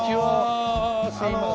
すいません。